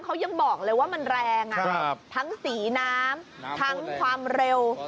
เขายังบอกเลยว่ามันแรงทั้งสีน้ำทั้งความเร็ว